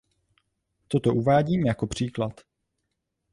Toto uvádím jako příklad.